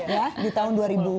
ya di tahun dua ribu dua